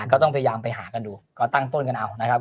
ก็ต้องพยายามไปหากันดูก็ตั้งต้นกันเอานะครับ